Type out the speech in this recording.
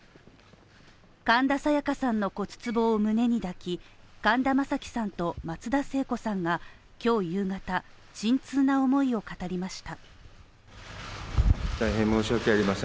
神田沙也加さんの骨壺を胸に抱き、神田正輝さんと松田聖子さんが今日夕方、沈痛な思いを語りました。